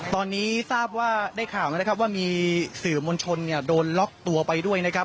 ตอนนี้ทราบว่าได้ข่าวแล้วนะครับว่ามีสื่อมวลชนโดนล็อกตัวไปด้วยนะครับ